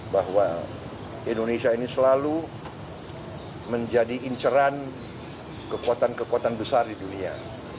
bahwa indonesia ini selalu menjadi inceran kekuatan kekuatan besar di dunia